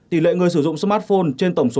tỷ lệ người sử dụng smartphone trên tổng số